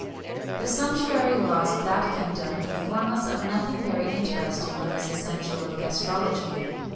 [XXI 24] The sumptuary laws of that kingdom inform us of nothing very interesting on this essential of gastrology.